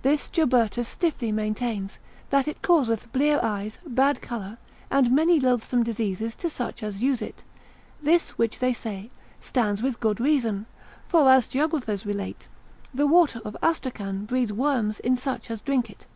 This Jobertus stiffly maintains, Paradox, lib. 1. part. 5, that it causeth blear eyes, bad colour, and many loathsome diseases to such as use it: this which they say, stands with good reason; for as geographers relate, the water of Astracan breeds worms in such as drink it.